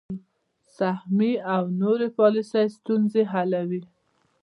سهمیې او نورې پالیسۍ ستونزه حلوي.